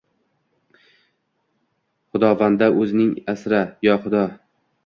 Xudovando, o’zing asra… yo xudo…